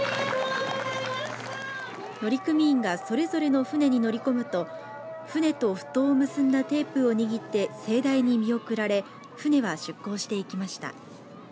乗組員がそれぞれの船に乗り込むと船とふ頭を結んだテープを握って盛大に見送られ船は出港していきました。